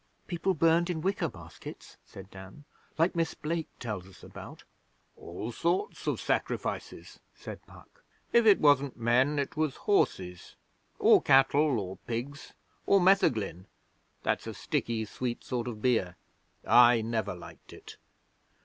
'People burned in wicker baskets?' said Dan. 'Like Miss Blake tells us about?' 'All sorts of sacrifices,' said Puck. 'If it wasn't men, it was horses, or cattle, or pigs, or metheglin that's a sticky, sweet sort of beer. I never liked it.